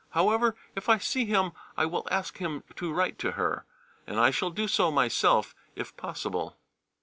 However, if I see him I will ask him to write to her, and I shall do so myself, if possible.